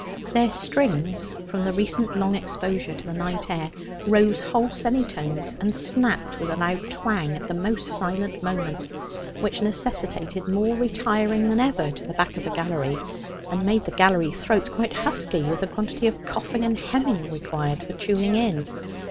Their strings, from the recent long exposure to the night air, rose whole semitones, and snapped with a loud twang at the most silent moment; which necessitated more retiring than ever to the back of the gallery, and made the gallery throats quite husky with the quantity of coughing and hemming required for tuning in.